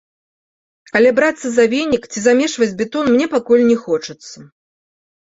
Але брацца за венік ці замешваць бетон мне пакуль не хочацца.